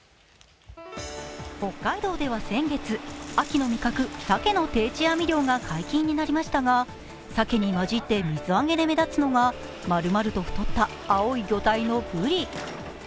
北海道では先月、秋の味覚、サケの定置網漁が解禁になりましたが、サケに混じって水揚げで目立つのがまるまると取った青い魚体のブリ。